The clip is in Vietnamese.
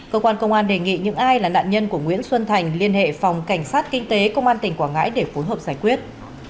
cơ quan công an đề nghị những ai là nạn nhân của nguyễn xuân thành liên hệ phòng cảnh sát kinh tế công an tỉnh quảng ngãi để phối hợp giải quyết